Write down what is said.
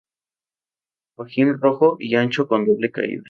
Fajín rojo y ancho con doble caída.